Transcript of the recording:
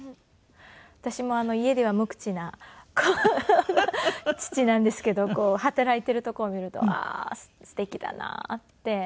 私も家では無口な父なんですけど働いているとこを見るとああーすてきだなって。